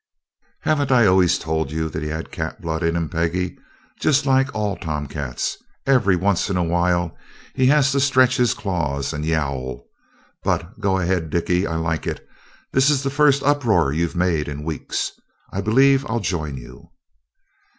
"Haven't I always told you he had cat blood in him, Peggy? Just like all tomcats, every once in a while he has to stretch his claws and yowl. But go ahead, Dickie, I like it this is the first uproar you've made in weeks. I believe I'll join you!"